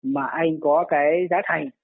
mà anh có cái giá thành